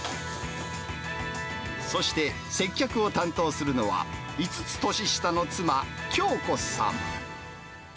そして接客を担当するのは、５つ年下の妻、京子さん。